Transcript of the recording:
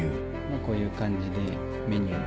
こういう感じでメニューが。